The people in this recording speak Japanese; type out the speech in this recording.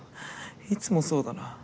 いつもそうだな。